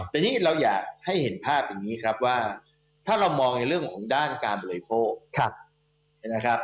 แต่นี่เราอยากให้เห็นภาพอย่างนี้ครับว่าถ้าเรามองในเรื่องของด้านการบริโภคนะครับ